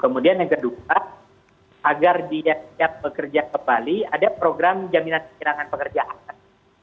kemudian yang kedua agar dia siap bekerja ke bali ada program jaminan penyerangan pekerjaan